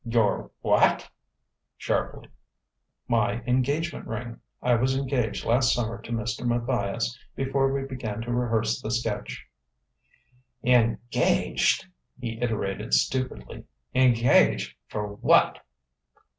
"Your what?" sharply. "My engagement ring. I was engaged last summer to Mr. Matthias, before we began to rehearse the sketch." "Engaged?" he iterated stupidly. "Engaged for what?"